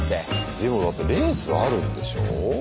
でもだってレースあるんでしょ？